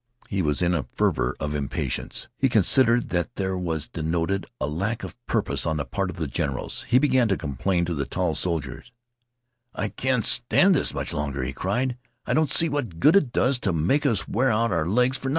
He was in a fever of impatience. He considered that there was denoted a lack of purpose on the part of the generals. He began to complain to the tall soldier. "I can't stand this much longer," he cried. "I don't see what good it does to make us wear out our legs for nothin'."